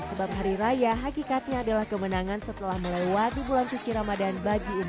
sebab hari raya hakikatnya adalah kemenangan setelah melewati bulan suci ramadhan bagi umat